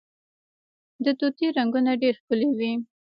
د طوطي رنګونه ډیر ښکلي وي